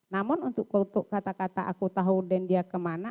namun untuk kata kata aku tahu dan dia kemana